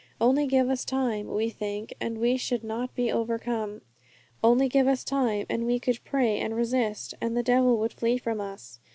Only give us time, we think, and we should not be overcome. Only give us time, and we could pray and resist, and the devil would flee from us!